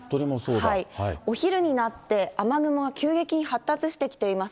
お昼になって、雨雲が急激に発達してきています。